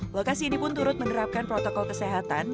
lokasi ini pun turut menerapkan protokol kesehatan